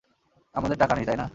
আমাদের টাকা নেই, তাই না?